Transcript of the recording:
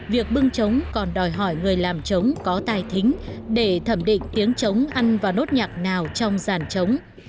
việc bưng trống còn đòi hỏi người làm trống có tài thính để thẩm định tiếng trống ăn và nốt nhạc nào trong giàn trống